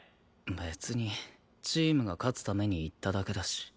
別にチームが勝つために言っただけだし。